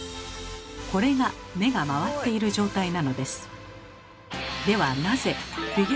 これが目が回っている状態なのです。